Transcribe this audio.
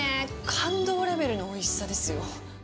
感動レベルのおいしさですよ。